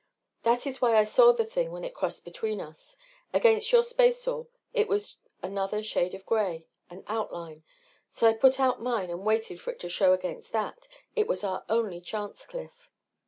"That is why I saw the thing when it crossed between us. Against your spaceall it was another shade of gray an outline. So I put out mine and waited for it to show against that it was our only chance, Cliff.